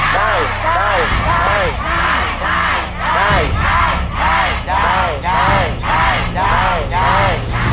โปรดติดตามตอนต่อไป